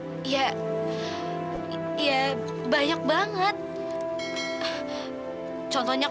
contohnya kalau misalnya aku ngobrol sama kamu bercanda sama kamu jalan jalan bareng sama kamu